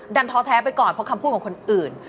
ท้อแท้ไปก่อนเพราะคำพูดของคนอื่น